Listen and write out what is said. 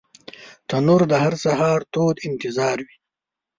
تنور د هر سهار تود انتظار وي